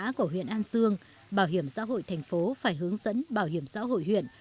trong các xã của huyện an dương bảo hiểm xã hội thành phố phải hướng dẫn bảo hiểm xã hội huyện